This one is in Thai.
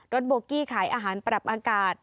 โบกี้ขายอาหารปรับอากาศ